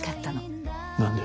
何で？